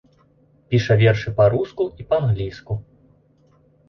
Піша вершы па-руску і па-англійску.